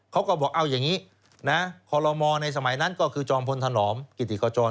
เขาก็บอกเอาอย่างนี้นะคอลโลมในสมัยนั้นก็คือจอมพลถนอมกิติขจร